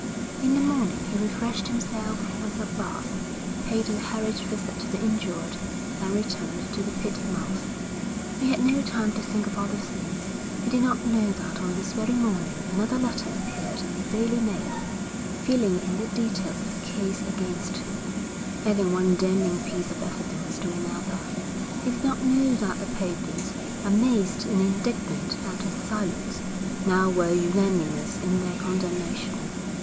In the morning he refreshed himself with a bath, paid a hurried visit to the injured, and returned to the pit mouth. He had no time to think of other things. He did not know that on this very morning another letter appeared in the Daily Mail, filling in the details of the case against him, adding one damning piece of evidence to another; he did not know that the papers, amazed and indignant at his silence, now were unanimous in their condemnation.